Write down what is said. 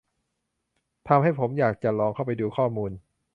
ทำให้ผมอยากจะลองเข้าไปดูข้อมูล